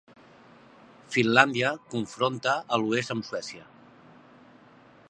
Finlàndia confronta a l'oest amb Suècia.